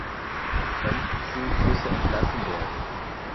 Bengtsson müsse entlassen werden.